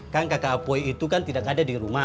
kan kakak apoi itu kan tidak ada di rumah